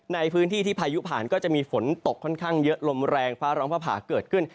ในพื้นที่ที่พายุผ่านก็จะมีฝนตกค่อนข้างเยอะลมแรงฟ้าร้องฟ้าผ่าเกิดขึ้น